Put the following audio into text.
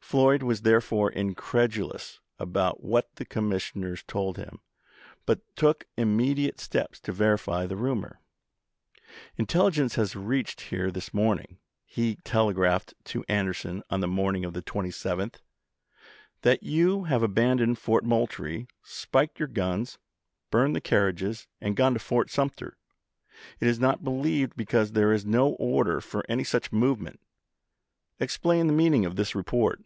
Floyd was therefore incredulous about what the commissioners told him, but took imme diate steps to verify the rumor. " Intelligence has reached here this morning," he telegraphed to An derson on the morning of the 27th, " that you have abandoned Fort Moultrie, spiked your guns, burned the carriages, and gone to Fort Sumter. It is not F]oyd to believed because there is no order for any such DecSseo. movement. Explain the meaning of this report."